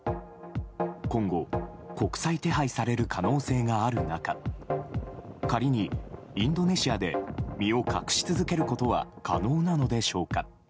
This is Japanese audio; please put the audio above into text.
今後、国際手配される可能性がある中仮にインドネシアで身を隠し続けることは可能なのでしょうか。